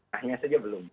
tanya saja belum